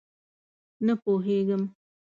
_نه پوهېږم.